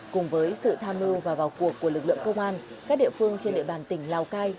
cùng với sự tham mưu và vào cuộc của lực lượng công an các địa phương trên địa bàn tỉnh lào cai